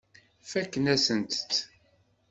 Fakkent-asen-tt.